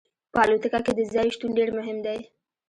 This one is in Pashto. په الوتکه کې د ځای شتون ډیر مهم دی